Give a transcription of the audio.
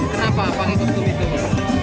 kenapa panggil kostum itu